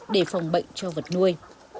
để phòng bệnh cho vật nuôi